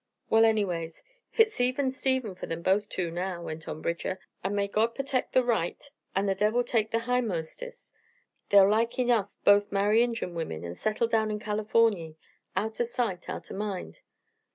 "Well, anyways, hit's even Stephen fer them both two now," went on Bridger, "an' may God perteck the right an' the devil take the him'mostest. They'll like enough both marry Injun wimern an' settle down in Californy. Out o' sight, out o' mind.